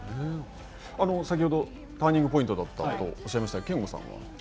先ほどターニングポイントだったとおっしゃいました憲剛さんは。